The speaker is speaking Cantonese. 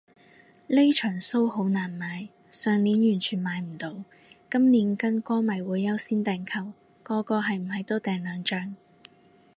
呢場騷好難買，上年完全買唔到，今年跟歌迷會優先訂購，個個係唔係都訂兩張